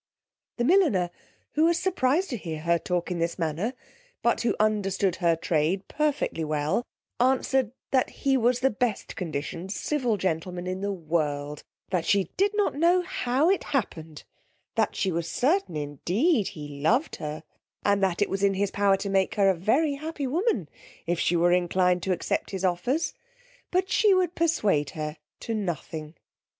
The milliner, who was surprized to hear her talk in this manner, but who understood her trade perfectly well, answered, that he was the best conditioned civil gentleman in the world; that she did not know how it happened; that she was certain indeed he loved her; and that it was in his power to make her a very happy woman if she were inclined to accept his offers; but she would perswade her to nothing.